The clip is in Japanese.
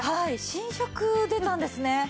新色出たんですね。